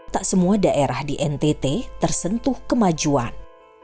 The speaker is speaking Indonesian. tak semua daerah di ntt tersentuh kemajuan